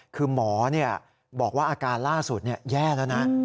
คือหมอบอกว่าอาการล่าสุดแย่แล้วนะ